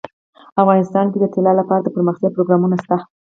افغانستان کې د طلا لپاره دپرمختیا پروګرامونه شته.